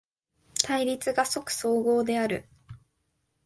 対立が即綜合である。